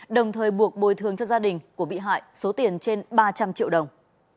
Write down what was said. đồng thời buộc bồi thường cho gia đình của bị hại số tiền trên ba trăm linh triệu đồng